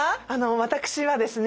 私はですね